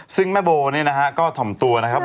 ซึ่งแม่โบก็ถ่มตัว